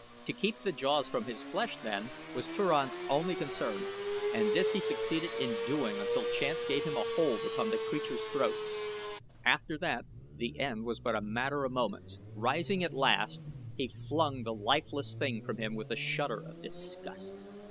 To keep the jaws from his flesh then was Turan's only concern and this he succeeded in doing until chance gave him a hold upon the creature's throat. After that the end was but a matter of moments. Rising at last he flung the lifeless thing from him with a shudder of disgust.